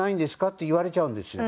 って言われちゃうんですよ。